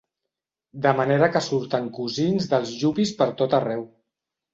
De manera que surten cosins dels yuppies per tot arreu.